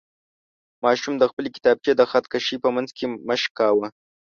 ماشوم د خپلې کتابچې د خط کشۍ په منځ کې مشق کاوه.